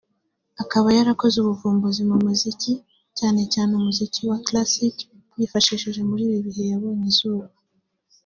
akaba yarakoze ubuvumbuzi mu muziki (cyane cyane umuziki wa Classic) bwifashishwa muri ibi bihe yabonye izuba